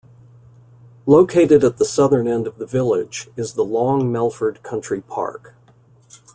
Located at the southern end of the village, is the Long Melford Country Park.